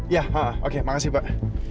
iya oke makasih pak